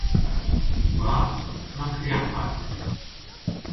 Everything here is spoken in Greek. Μπα; Μακριά πάτε.